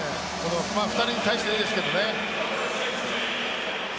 ２人に対してですけどね。